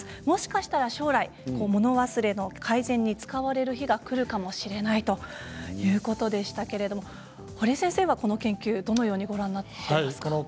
もしかしたら将来物忘れの改善に使われる日がくるかもしれないということでしたけれども、堀江先生はこの研究、どのようにご覧になっていますか？